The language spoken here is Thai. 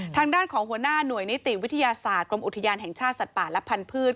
ทางด้านของหัวหน้าหน่วยนิติวิทยาศาสตร์กรมอุทยานแห่งชาติสัตว์ป่าและพันธุ์